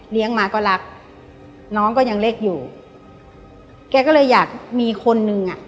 มาก็รักน้องก็ยังเล็กอยู่แกก็เลยอยากมีคนหนึ่งอ่ะ